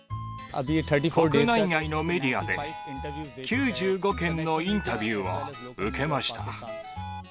国内外のメディアで、９５件のインタビューを受けました。